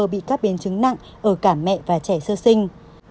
bị các biến chứng nặng ở cả mẹ và trẻ sơ sinh